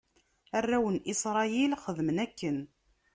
Arraw n Isṛayil xedmen akken.